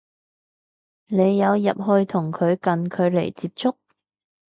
你有入去同佢近距離接觸？